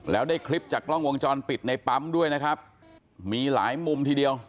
แล้วได้คลิปจากกล้องวงจรปิดในปั๊มด้วยนะครับมีหลายมุมทีเดียว